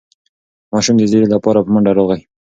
ماشوم د زېري لپاره په منډه راغی.